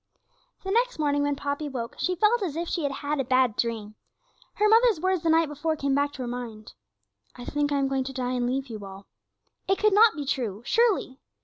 The next morning when Poppy woke she felt as if she had had a bad dream. Her mother's words the night before came back to her mind. 'I think I am going to die and leave you all.' It could not be true, surely!